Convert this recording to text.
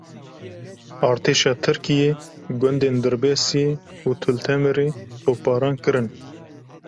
Artêşa Tirkiyê gundên Dirbêsiyê û Til Temirê topbaran kirin.